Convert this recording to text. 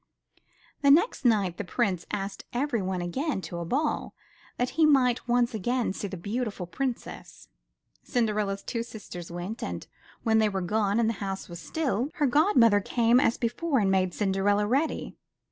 The next night the Prince asked everyone again to a ball that he might once more see the beautiful Princess. Cinderella's two sisters went, and when they were gone and the house was still, her godmother 170 UP ONE PAIR OF STAIRS came as before ana made Cinderella ready.